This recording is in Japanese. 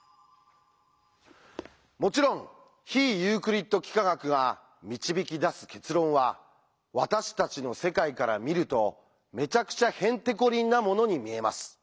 もちろん非ユークリッド幾何学が導き出す結論は私たちの世界から見るとめちゃくちゃへんてこりんなものに見えます。